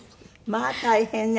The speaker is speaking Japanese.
まあ大変ね。